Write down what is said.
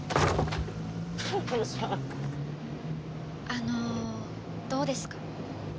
あのどうですか？